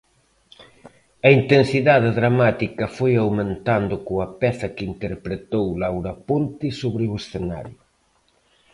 A intensidade dramática foi aumentando coa peza que interpretou Laura Ponte sobre o escenario.